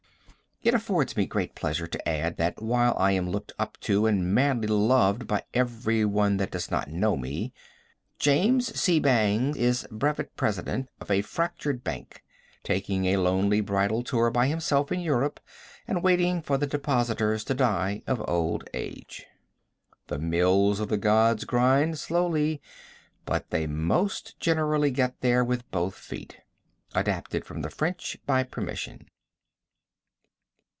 It affords me great pleasure to add that while I am looked up to and madly loved by every one that does not know me, Jas. C. Bang is brevet president of a fractured bank, taking a lonely bridal tour by himself in Europe and waiting for the depositors to die of old age. The mills of the gods grind slowly, but they most generally get there with both feet. (Adapted from the French by permission.)